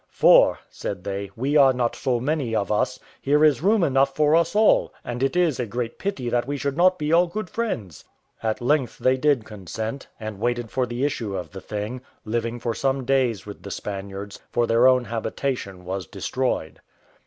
"For," said they, "we are not so many of us; here is room enough for us all, and it is a great pity that we should not be all good friends." At length they did consent, and waited for the issue of the thing, living for some days with the Spaniards; for their own habitation was destroyed.